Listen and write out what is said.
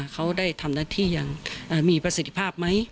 เขาได้ทำหน้าที่อย่างมีประสิทธิภาพไหม